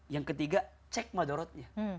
yang ketiga cek madorotnya